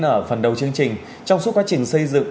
ở phần đầu chương trình trong suốt quá trình xây dựng